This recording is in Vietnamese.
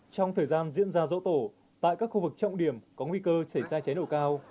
trong thời gian diễn ra dẫu tổ tại các khu vực trọng điểm có nguy cơ cháy cháy nổ cao